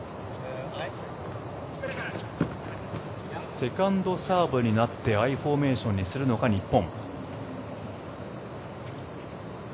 セカンドサーブになってアイフォーメーションにするのか日本。